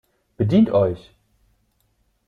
Bedient euch!